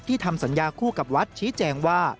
ทำสัญญาคู่กับวัดชี้แจงว่า